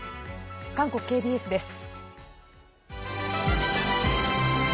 韓国ＫＢＳです。